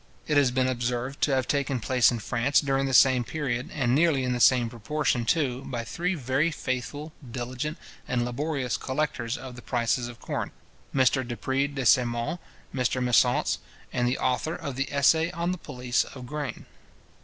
It has been observed to have taken place in France during the same period, and nearly in the same proportion, too, by three very faithful, diligent, and laborious collectors of the prices of corn, Mr Dupré de St Maur, Mr Messance, and the author of the Essay on the Police of Grain.